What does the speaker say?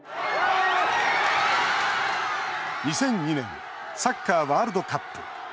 ２００２年サッカーワールドカップ。